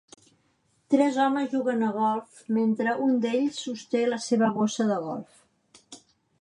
Tres homes juguen a golf mentre un d'ells sosté la seva bossa de golf.